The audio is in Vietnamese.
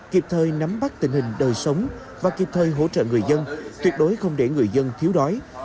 kịp thời nắm bắt tình hình đời sống và kịp thời hỗ trợ người dân tuyệt đối không để người dân thiếu đói